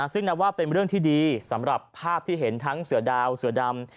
ซึ่งนับว่าเป็นเรื่องที่ดีสำหรับภาพที่เห็นทั้งเสือดาวเสือดำ